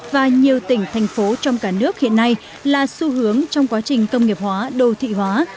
và nhiều tỉnh thành phố trong cả nước hiện nay là xu hướng trong quá trình công nghiệp hóa đô thị hóa